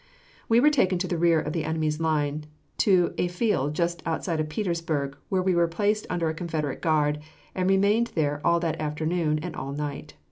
We were taken to the rear of the enemy's line to a field just outside of Petersburg, where we were placed under a Confederate guard, and remained there all that afternoon and all night.